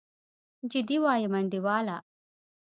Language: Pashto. جدي وايم انډيواله.